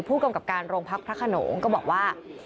ผู้กำกับการโรงพักพระขนงก็บอกว่า